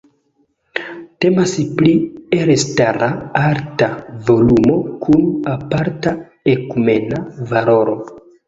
Temas pri elstara arta volumo kun aparta ekumena valoro.